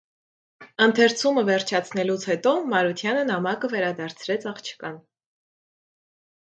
Ընթերցումը վերջացնելուց հետո Մարությանը նամակը վերադարձրեց աղջկան: